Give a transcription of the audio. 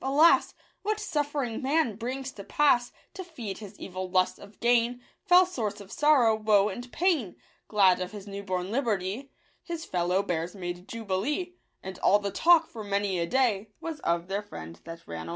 Alas ! What suffering man brings to pass To feed his evil lust of gain — Fell source of sorrow, woe, and pain ! Glad of his new born liberty, His fellow bears made jubilee ; And all the talk, for many a day, Was of their friend that ran away.